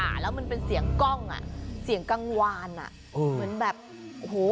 แล้วมันเป็นเสียงกล้องอ่ะเสียงกังวานอ่ะเออเหมือนแบบโอ้โห